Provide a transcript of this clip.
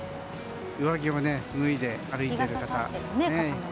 上着を脱いで歩いている方も。